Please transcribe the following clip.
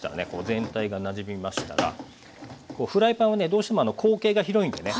全体がなじみましたらフライパンはねどうしても口径が広いんでね